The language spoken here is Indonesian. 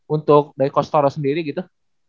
untuk dari costara sendiri gitu